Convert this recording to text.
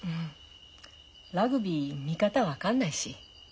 ラグビー見方分かんないし。